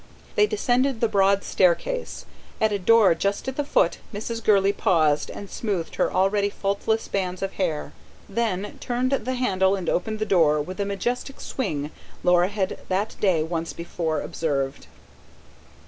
They descended the broad staircase. At a door just at the foot, Mrs. Gurley paused and smoothed her already faultless bands of hair; then turned the handle and opened the door, with the majestic swing Laura had that day once before observed.